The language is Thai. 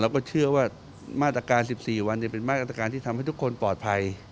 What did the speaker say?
ก็เชื่อว่ามาตรการ๑๔วันจะเป็นมาตรการที่ทำให้ทุกคนปลอดภัย